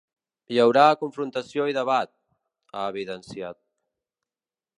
Hi haurà confrontació i debat, ha evidenciat.